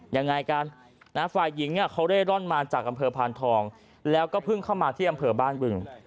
ยังไงกันฝ่ายหญิงเขาเร่ร่อนมาจากอำเภอพานทองแล้วก็เพิ่งเข้ามาที่อำเภอบ้านบึง